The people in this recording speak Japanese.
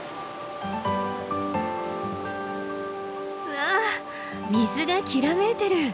わ水がきらめいてる。